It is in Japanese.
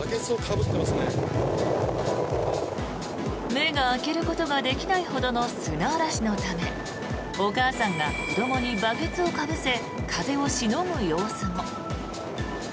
目が開けることができないほどの砂嵐のためお母さんが子どもにバケツをかぶせ風をしのぐ様子も。